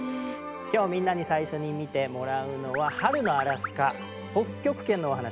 今日みんなに最初に見てもらうのは春のアラスカ北極圏のお話です。